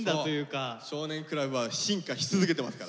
「少年倶楽部」は進化し続けてますから。